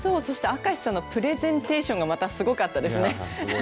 そして明石さんのプレゼンテーションがまたすごかったですね。